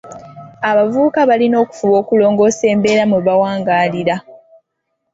Abavubuka balina okufuba okulongoosa embeera mwe bawangaalira.